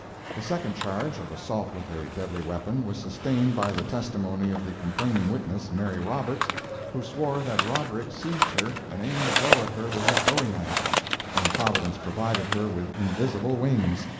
The second charge, of assault with a deadly weapon, was sustained by the testimony of the complaining witness, Mary Roberts, who swore that Roderick seized her and aimed a blow at her with his Bowie knife, when Providence provided her with invisible wings.